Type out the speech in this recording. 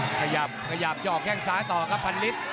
ขยับขยับเจาะแข้งซ้ายต่อครับพันลิศ